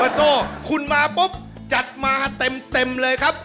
โทษคุณมาปุ๊บจัดมาเต็มเลยครับ